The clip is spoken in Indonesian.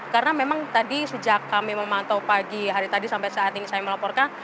karena memang tadi sejak kami memantau pagi hari tadi sampai saat ini saya melaporkan